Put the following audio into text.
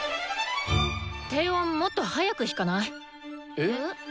低音もっと速く弾かない？えっ？